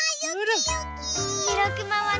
しろくまはね